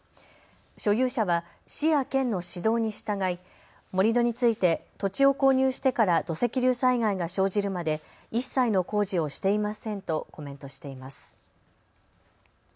所有者は市や県の指導に従い、盛り土について土地を購入してから土石流災害が生じるまで一切の工事をしていませんとコメントしています。